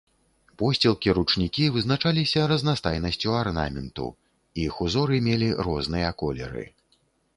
Посцілкі, ручнікі вызначаліся разнастайнасцю арнаменту, іх узоры мелі розныя колеры.